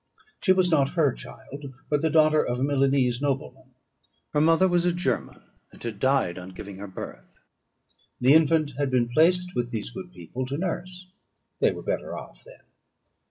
She was not her child, but the daughter of a Milanese nobleman. Her mother was a German, and had died on giving her birth. The infant had been placed with these good people to nurse: they were better off then.